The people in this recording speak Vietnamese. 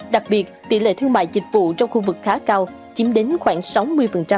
đặc biệt tỷ lệ thương mại dịch vụ trong khu vực khá cao chiếm đến khoảng sáu mươi